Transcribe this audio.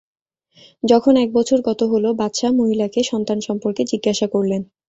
যখন এক বছর গত হল, বাদশাহ মহিলাকে সন্তান সম্পর্কে জিজ্ঞাসা করলেন।